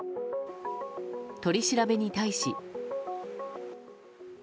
取り調べに対し。